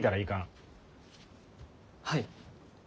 はい。